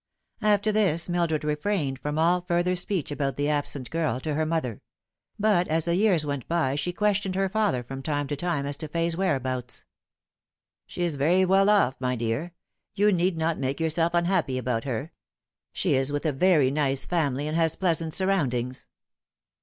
After this Mildred refrained from all further speech about the absent girl to her mother ; but as the years went by she questioned her father from tune to time as to Fay's whereabouts. " She is very well off, my dear. You need not make your self unhappy about her. She is with a very nice family, and has pleasant surroundings."